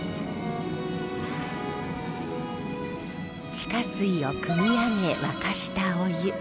地下水をくみ上げ沸かしたお湯。